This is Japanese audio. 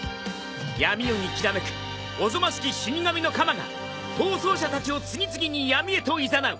闇夜にきらめくおぞましき死に神の鎌が逃走者たちを次々に闇へといざなう。